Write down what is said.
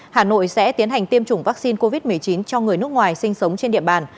hà nội sẽ tiến hành tiêm chủng vaccine covid một mươi chín cho người nước ngoài sinh sống trên địa bàn